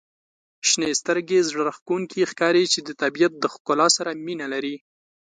• شنې سترګي زړه راښکونکي ښکاري چې د طبیعت د ښکلا سره مینه لري.